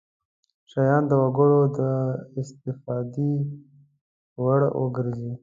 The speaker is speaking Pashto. شیان د وګړو د استفادې وړ وګرځي.